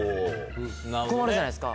困るじゃないですか。